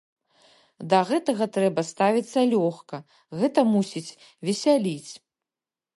Да гэтага трэба ставіцца лёгка, гэта мусіць весяліць.